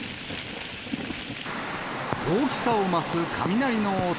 大きさを増す雷の音。